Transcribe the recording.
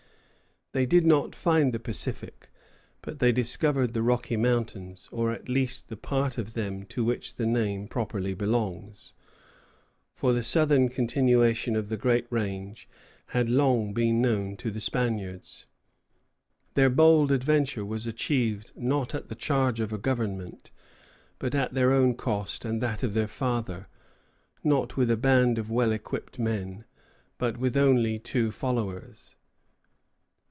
They did not find the Pacific, but they discovered the Rocky Mountains, or at least the part of them to which the name properly belongs; for the southern continuation of the great range had long been known to the Spaniards. Their bold adventure was achieved, not at the charge of a government, but at their own cost and that of their father, not with a band of well equipped men, but with only two followers.